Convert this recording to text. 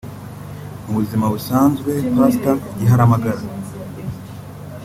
Mu buzima busanzwe Pastor Igiharamagara